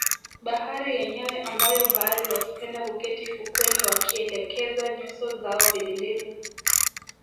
Bahari yenyewe ambayo baadhi wakipenda kuketi fukweni wakielekeza nyuso zao vilindini